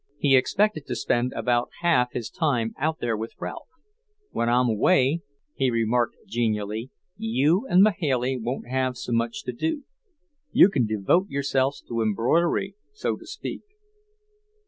He expected to spend about half his time out there with Ralph. "When I'm away," he remarked genially, "you and Mahailey won't have so much to do. You can devote yourselves to embroidery, so to speak."